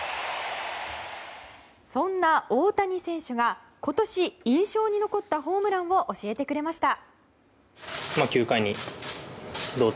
そんな大谷選手が今年印象に残ったホームランを教えてくれました。